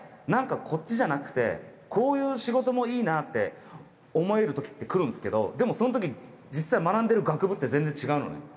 なんかこっちじゃなくてこういう仕事もいいなって思える時ってくるんですけどでもその時実際学んでる学部って全然違うのね